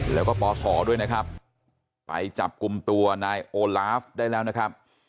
แล้วก็ปศด้วยนะครับไปจับกลุ่มตัวนายโอลาฟได้แล้วนะครับ